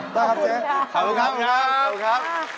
ขอบคุณครับเจ๊ขอบคุณครับขอบคุณครับ